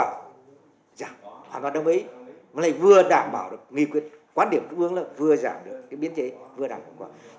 nếu mà anh thấy không hiệu quả dạ họ đồng ý vừa đảm bảo được nghi quyết quan điểm của quốc hội là vừa giảm được biên chế vừa đảm bảo được